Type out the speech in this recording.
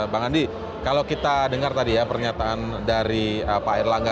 bang andi kalau kita dengar tadi ya pernyataan dari pak erlangga